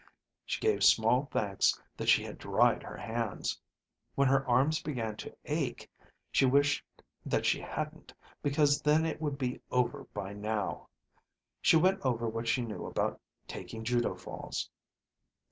She gave small thanks that she had dried her hands. When her arms began to ache, she wished that she hadn't, because then it would be over by now. She went over what she knew about taking judo falls.